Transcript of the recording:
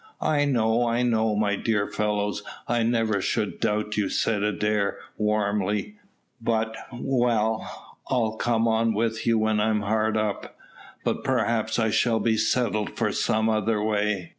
"I know, I know, my dear fellows; I never should doubt you," said Adair, warmly; "but Well, I'll come on you when I am hard up. But perhaps I shall be settled for some other way."